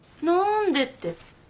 なんでって。